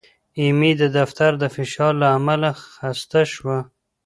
ایمي د دفتر د فشار له امله خسته شوه.